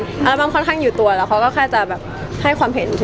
ค่อนข้างแบบอัลบั้มค่อนข้างอยู่ตัวแล้วเขาก็แค่จะมาให้ความเห็นเฉย